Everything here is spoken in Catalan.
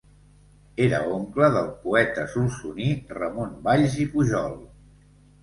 Era oncle del poeta solsoní Ramon Valls i Pujol.